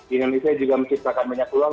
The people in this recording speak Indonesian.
indonesia juga menciptakan banyak peluang